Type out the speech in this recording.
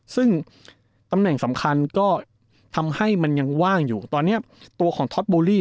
ซึ่งตำแหน่งสำคัญก็ทำให้มันยังว่างอยู่ตอนนี้ตัวของท็อตบูลลี่